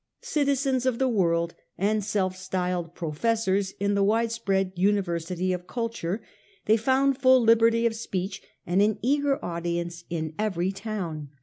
Citizens of the world, and self ftyled professors in the widespread university of culture, they found full liberty of speech and an eager audience in every town.